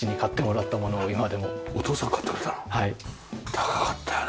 高かったよね。